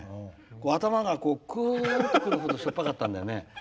頭が、クーッてくるほどしょっぱかったんだよね。